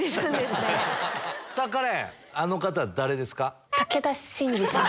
さぁカレンあの方誰ですか？